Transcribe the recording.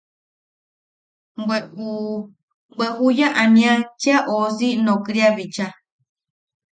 Bwe u... bwe juya ania cheʼa ousi nokria bicha.